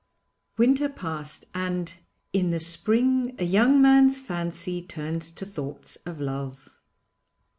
Winter passed, and 'in the spring a young man's fancy turns to thoughts of love.'